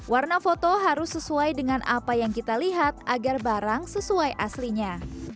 warna foto harus sesuai dengan apa yang kita lihat agar barang sesuai aslinya